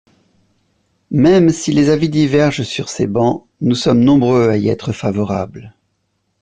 Même si les avis divergent sur ces bancs, nous sommes nombreux à y être favorables.